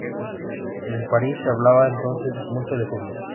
En París se hablaba entonces mucho de judíos.